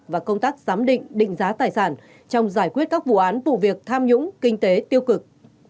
và công tác giám định định giá tài sản trong giải quyết các vụ án vụ việc tham nhũng kinh tế tiêu cực